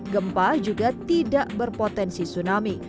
gempa juga tidak berpotensi tsunami